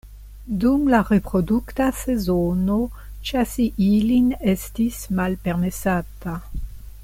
Dum la reprodukta sezono ĉasi ilin estis malpermesata.